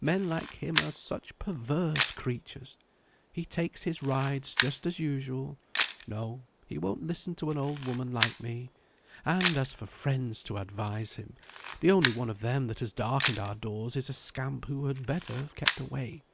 men like him are such perverse creatures. He takes his rides just as usual. No; he won't listen to an old woman like me; and, as for friends to advise him, the only one of them that has darkened our doors is a scamp who had better have kept away.